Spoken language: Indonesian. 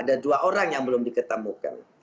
ada dua orang yang belum diketemukan